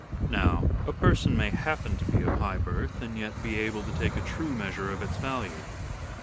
Now, a person may happen to be of high birth and yet be able to take a true measure of its value.